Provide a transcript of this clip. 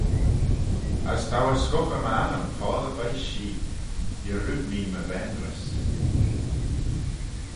As t'ou er scughey my annym foddey veih shee: yarrood mee my vaynrys.